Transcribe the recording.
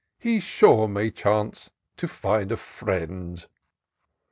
He sure may chance to find a friend."